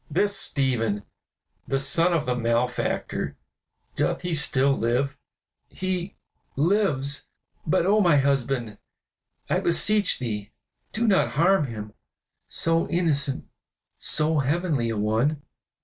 "This Stephen, the son of the malefactor, doth he still live?" "He lives; but, oh my husband, I beseech thee do not harm him, so innocent, so heavenly a one!"